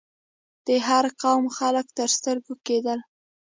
د هر قوم خلک تر سترګو کېدل.